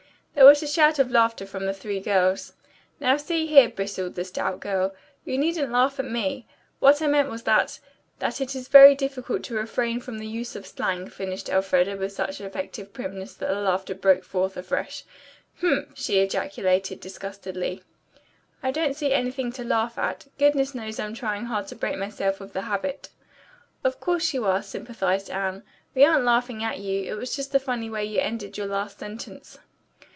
There was a shout of laughter from the three girls. "Now, see here," bristled the stout girl. "You needn't laugh at me. What I meant was that that it is very difficult to refrain from the use of slang," finished Elfreda with such affected primness that the laughter broke forth afresh. "Humph!" she ejaculated disgustedly. "I don't see anything to laugh at. Goodness knows I'm trying hard to break myself of the habit." "Of course you are," sympathized Anne. "We aren't laughing at you. It was the funny way you ended your last sentence."